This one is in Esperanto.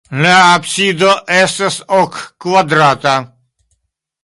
La absido estas ok-kvadrata.